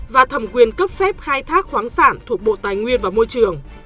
và thẩm quyền cấp phép khai thác khoáng sản thuộc bộ tài nguyên và môi trường